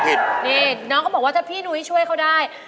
นี่น้องเขาบอกว่าถ้าพี่นุ้ยช่วยเขาได้